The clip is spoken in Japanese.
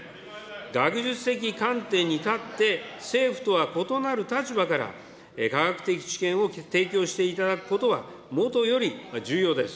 学術的観点に立って政府とは異なる立場から、科学的知見を提供していただくことは、もとより重要です。